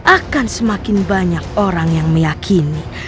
akan semakin banyak orang yang meyakini